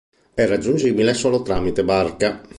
È raggiungibile solo tramite barca.